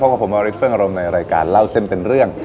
เพราะว่าผมวอริทธิ์เฟิร์งอารมณ์ในรายการเล่าเส้นเป็นเรื่อง